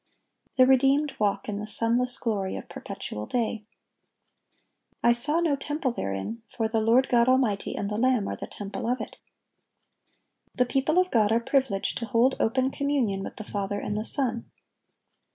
The redeemed walk in the sunless glory of perpetual day. "I saw no temple therein: for the Lord God Almighty and the Lamb are the temple of it."(1191) The people of God are privileged to hold open communion with the Father and the Son.